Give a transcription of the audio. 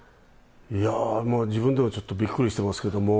いやぁ、もう自分でもちょっとびっくりしてますけど。